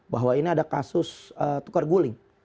bahwa ini ada kasus tukar guling